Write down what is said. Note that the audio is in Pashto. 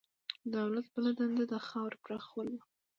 د دولت بله دنده د خاورې پراخول وو.